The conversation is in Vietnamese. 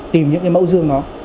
tìm những cái mẫu dương đó